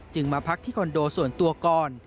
มาพักที่คอนโดส่วนตัวก่อน